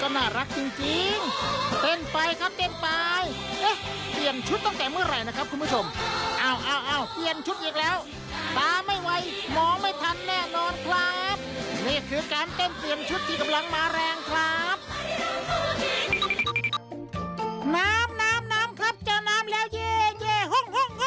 น้ำครับเจอน้ำแล้วเย่ห่ม